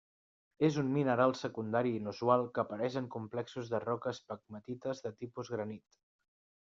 És un mineral secundari inusual que apareix en complexos de roques pegmatites de tipus granit.